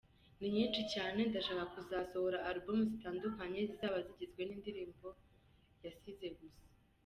Ni nyinshi cyane, ndashaka kuzasohora album zitandukanye zizaba zigizwe n’indirimbo yasize gusa.